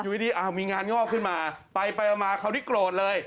อยู่ดีมีงานงอกขึ้นมาไปมาคราวนี้โกรธเลย